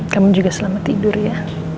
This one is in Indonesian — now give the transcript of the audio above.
namun juga selamat tidur ya